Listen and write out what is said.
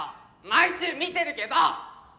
毎週見てるけど！